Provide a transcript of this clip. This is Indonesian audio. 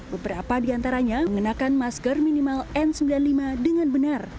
beberapa di antaranya mengenakan masker minimal n sembilan puluh lima dengan benar